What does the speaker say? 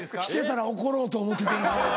してたら怒ろうと思っててん。